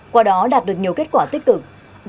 qua đó đạt được nhiều kết quả tích cực